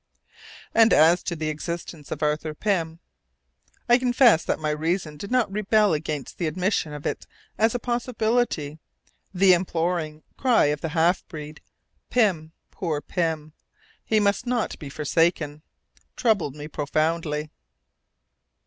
And as to the existence of Arthur Pym? I confess that my reason did not rebel against the admission of it as a possibility. The imploring cry of the half breed, "Pym, poor Pym! he must not be forsaken!" troubled me profoundly.